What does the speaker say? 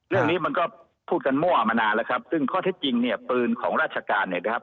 เรื่องนี้มันก็พูดกันมั่วมานานแล้วครับซึ่งข้อเท็จจริงเนี่ยปืนของราชการเนี่ยนะครับ